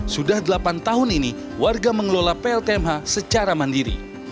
sudah delapan tahun ini warga mengelola pltmh secara mandiri